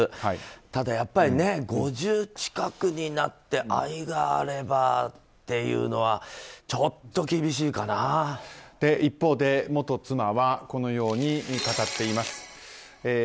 ただやっぱり５０近くになって愛があればというのは一方で元妻はこのように語っています。